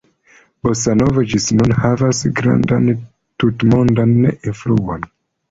Bosanovo ĝis nun havas grandan tutmondan influon.